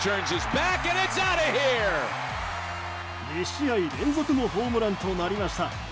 ２試合連続のホームランとなりました。